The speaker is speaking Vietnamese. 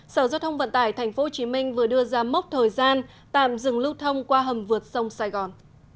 sở giao thông vận tải tp hcm vừa đưa ra mốc thời gian tạm dừng lưu thông qua hầm vượt sông sài gòn